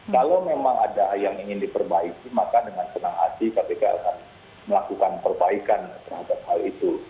kalau memang ada yang ingin diperbaiki maka dengan senang hati kpk akan melakukan perbaikan terhadap hal itu